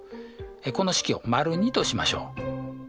この式を②としましょう。